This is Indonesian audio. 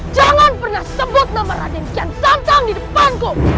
jangan pernah sebut nama raden kian santan di depanku